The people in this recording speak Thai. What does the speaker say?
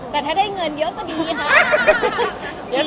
แต่ถ้าได้เงินเยอะก็ดีค่ะ